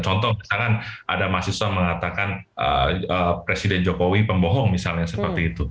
contoh misalkan ada mahasiswa mengatakan presiden jokowi pembohong misalnya seperti itu